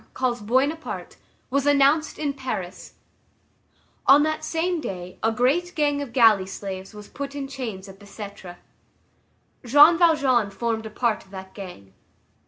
calls Buona Parte, was announced in Paris; on that same day a great gang of galley slaves was put in chains at Bicêtre. Jean Valjean formed a part of that gang.